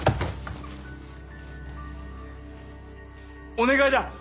お願いだ！